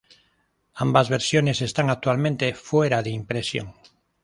Ambas versiones están actualmente fuera de impresión.